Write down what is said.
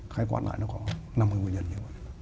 khai quát lại nó có năm mươi nguyên nhân